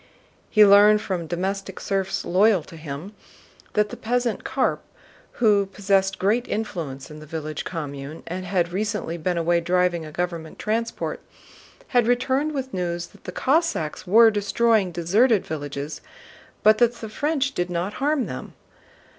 He learned from domestic serfs loyal to him that the peasant Karp, who possessed great influence in the village commune and had recently been away driving a government transport, had returned with news that the Cossacks were destroying deserted villages, but that the French did not harm them.